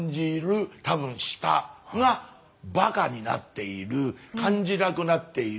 多分舌がバカになっている感じなくなっている。